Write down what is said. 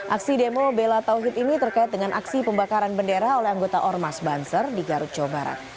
aksi demo bela tauhid ini terkait dengan aksi pembakaran bendera oleh anggota ormas banser di garut jawa barat